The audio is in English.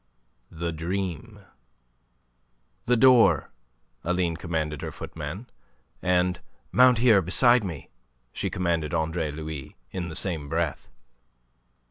THE DREAM "The door," Aline commanded her footman, and "Mount here beside me," she commanded Andre Louis, in the same breath.